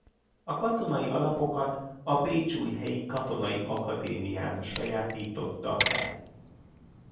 A katonai alapokat a bécsújhelyi katonai akadémián sajátította el.